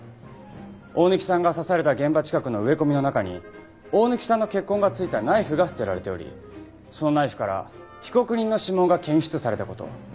大貫さんが刺された現場近くの植え込みの中に大貫さんの血痕が付いたナイフが捨てられておりそのナイフから被告人の指紋が検出された事。